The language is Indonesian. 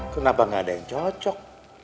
kenapa gak ada yang cocok